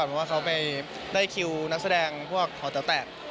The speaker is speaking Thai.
เพราะว่าเขาไปได้คิวนักแสดงพวกหอแต๋วแตก